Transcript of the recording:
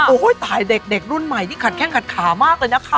โอ้โหตายเด็กรุ่นใหม่ที่ขัดแข้งขัดขามากเลยนะคะ